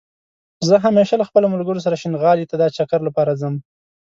زه همېشه له خپلو ملګرو سره شينغالى ته دا چکر لپاره ځم